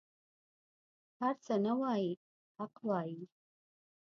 هر څه نه وايي حق وايي.